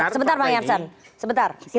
sebentar silahkan bang adian